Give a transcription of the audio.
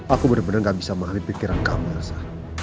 aku benar benar gak bisa mengalami pikiran kamu yasa